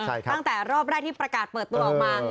ตั้งแต่รอบแรกที่ประกาศเปิดตัวออกมา